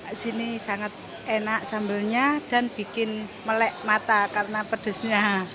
di sini sangat enak sambelnya dan bikin melek mata karena pedesnya